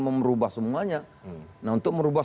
memerubah semuanya nah untuk merubah